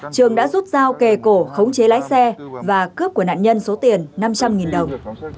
trường đã rút dao kề cổ khống chế lái xe và cướp của nạn nhân số tiền năm trăm linh đồng